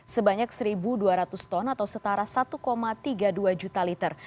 sebanyak satu dua ratus ton atau setara satu tiga puluh dua juta liter